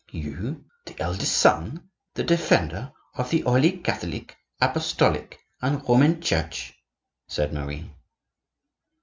"You, the eldest son, the defender of the Holy Catholic, Apostolic, and Roman Church?" said Marie.